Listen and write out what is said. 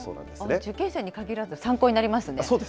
受験生に限らず参考になりますね。